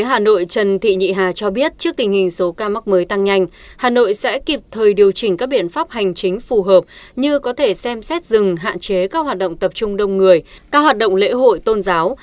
hà nội trần thị nhị hà cho biết trước tình hình số ca mắc mới tăng nhanh hà nội sẽ kịp thời điều chỉnh các biện pháp hành chính phù hợp như có thể xem xét dừng hạn chế các hoạt động tập trung đông người các hoạt động lễ hội tôn giáo